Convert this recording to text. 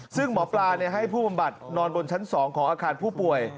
ซึ่งหมอปลาให้ผู้บำบัดนอนบนชั้น๒ของอาคารผู้ป่วย